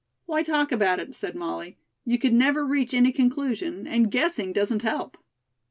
"Why talk about it?" said Molly. "You could never reach any conclusion, and guessing doesn't help."